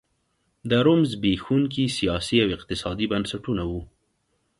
د روم زبېښونکي سیاسي او اقتصادي بنسټونه وو